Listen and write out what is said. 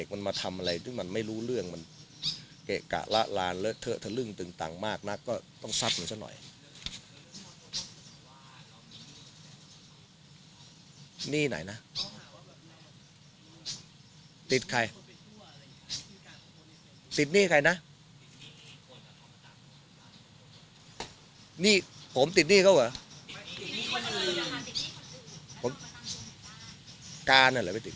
มันเกะกะละลานเลิกเถอะทะลึ่งตึงตังค์มากน่ะก็ต้องซับหน่อยซับหน่อยนี่ไหนน่ะติดใครติดหนี้ใครน่ะนี่ผมติดหนี้เข้าเหรอ